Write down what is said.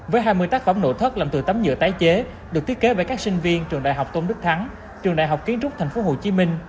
với hai mươi tác phẩm nội thất làm từ tấm nhựa tái chế được thiết kế bởi các sinh viên trường đại học tôn đức thắng trường đại học kiến trúc tp hcm